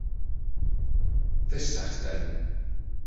This Saturday?